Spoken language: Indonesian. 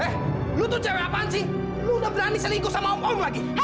eh lo tuh cewek apaan sih lo udah berani selingkuh sama om om lagi